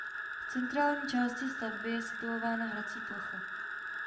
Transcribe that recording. V centrální části stavby je situována hrací plocha.